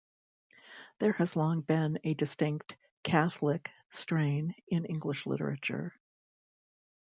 There has long been a distinct Catholic strain in English literature.